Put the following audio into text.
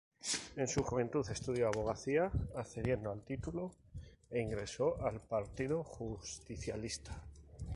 En su juventud estudió abogacía, accediendo al título e ingresó al Partido Justicialista.